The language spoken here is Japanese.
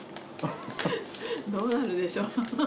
どうなんでしょう。